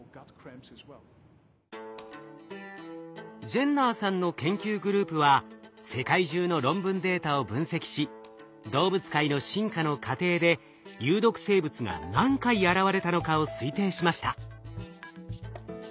ジェンナーさんの研究グループは世界中の論文データを分析し動物界の進化の過程で有毒生物が何回現れたのかを推定しました。